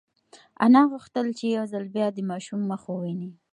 انا غوښتل چې یو ځل بیا د ماشوم مخ وویني.